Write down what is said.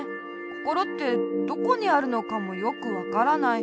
こころってどこにあるのかもよくわからない。